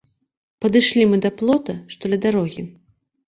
Падышлі мы да плота, што ля дарогі.